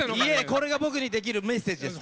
これが僕にできるメッセージです！